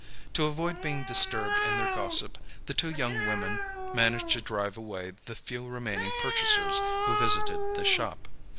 To avoid being disturbed in their gossip, the two young woman managed to drive away the few remaining purchasers who visited the shop.